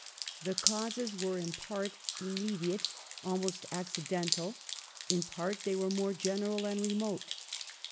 The causes were, in part, immediate — almost accidental ; in part they were more general and remote.